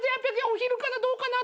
お昼からどうかなと。